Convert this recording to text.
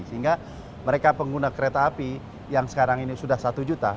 sehingga mereka pengguna kereta api yang sekarang ini sudah satu juta